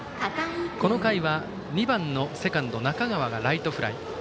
この回は、２番のセカンド中川がライトフライ。